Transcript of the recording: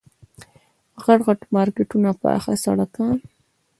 غټ غټ مارکېټونه پاخه سړکان.